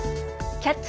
「キャッチ！